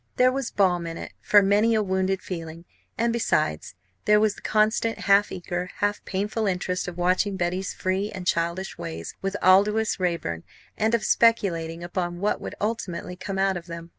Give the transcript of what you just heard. There was balm in it for many a wounded feeling; and, besides, there was the constant, half eager, half painful interest of watching Betty's free and childish ways with Aldous Raeburn, and of speculating upon what would ultimately come out of them.